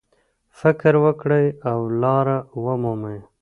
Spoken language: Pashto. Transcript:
فکر وکړئ او لاره ومومئ.